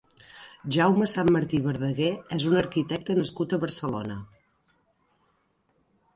Jaume Sanmartí Verdaguer és un arquitecte nascut a Barcelona.